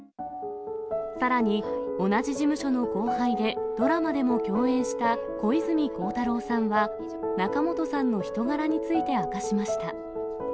さらに、同じ事務所の後輩で、ドラマでも共演した小泉孝太郎さんは、仲本さんの人柄について明かしました。